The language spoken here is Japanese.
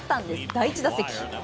第１打席。